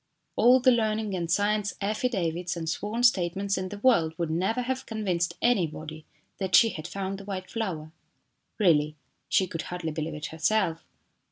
All the learning and science affidavits and sworn statements in the world would never have convinced anybody that she had found the white flower. Really, she could hardly believe it herself.